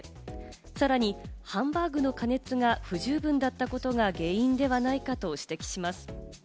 さらにハンバーグの加熱が不十分だったことが原因ではないかと指摘します。